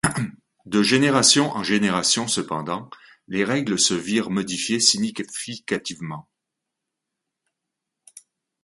De génération en génération cependant, les règles se virent modifiées significativement.